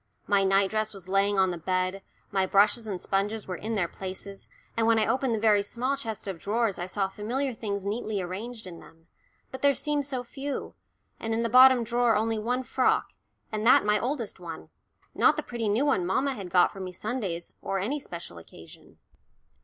My night dress was lying on the bed, my brushes and sponges were in their places, and when I opened the very small chest of drawers I saw familiar things neatly arranged in them. But there seemed so few and in the bottom drawer only one frock, and that my oldest one, not the pretty new one mamma had got me for Sundays or any special occasion.